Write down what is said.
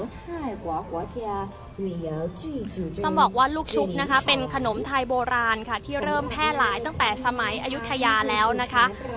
ใช่หัวหัวเจียวต้องบอกว่าลูกชุบนะคะเป็นขนมไทยโบราณค่ะที่เริ่มแพร่หลายตั้งแต่สมัยอายุทยาแล้วนะคะ